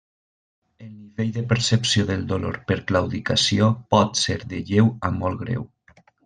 El nivell de percepció del dolor per claudicació pot ser de lleu a molt greu.